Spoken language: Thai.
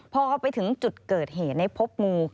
พอไปถึงจุดเกิดเหตุพบงู